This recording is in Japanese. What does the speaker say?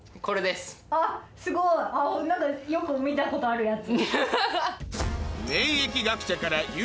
すごい！よく見たことあるやつ。